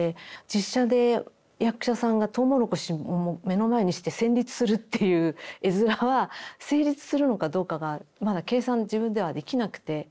実写で役者さんがトウモロコシ目の前にして戦慄するっていう絵面は成立するのかどうかがまだ計算自分ではできなくて。